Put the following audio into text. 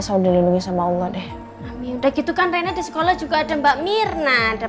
selalu dilindungi sama allah deh udah gitu kan rena di sekolah juga ada mbak mirna dan